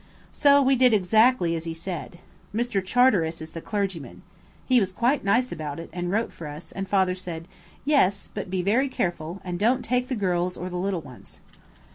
So we did exactly as he said. Mr. Charteris is the clergyman. He was quite nice about it, and wrote for us, and Father said "Yes, but be very careful, and don't take the girls or the little ones."